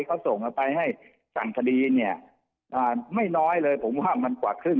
เขาส่งกันไปให้สั่งคดีเนี่ยไม่น้อยเลยผมว่ามันกว่าครึ่ง